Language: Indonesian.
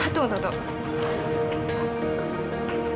tunggu tunggu tunggu